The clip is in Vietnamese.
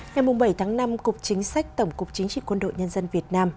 ngày bảy tháng năm cục chính sách tổng cục chính trị quân đội nhân dân việt nam